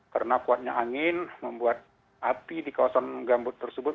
karena kuatnya angin membuat api di kawasan gambut tersebut